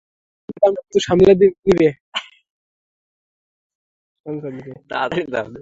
রানি madam সবকিছু সামলে নিবে।